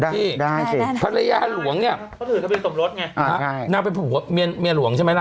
ได้ได้ภรรยาหลวงเนี้ยเขาถือเขาเป็นสมรสไงอ่าใช่นั่งไปผัวเมียเมียหลวงใช่ไหมล่ะ